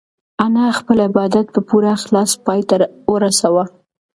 انا خپل عبادت په پوره اخلاص پای ته ورساوه.